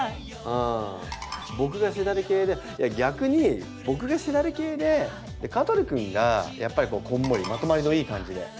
僕がしだれ系で逆に僕がしだれ系で香取くんがやっぱりこんもりまとまりのいい感じで。